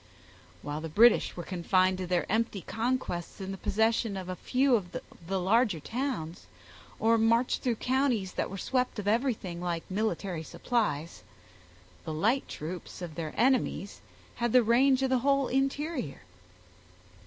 While the British were confined to their empty conquests in the possession of a few of the larger towns, or marched through counties that were swept of everything like military supplies, the light troops of their enemies had the range of the whole interior.